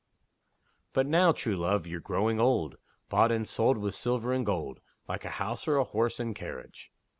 But now, True Love, you're growing old Bought and sold, with silver and gold, Like a house, or a horse and carriage!